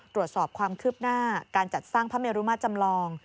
ตรวจสอบความคืบหน้าการจัดสร้างพระเมรุมาจำลอง